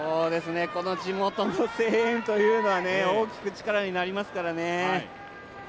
この地元の声援というのは、大きく力になりますからね。